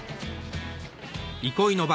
憩いの場